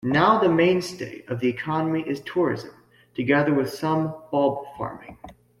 Now the mainstay of the economy is tourism, together with some bulb farming.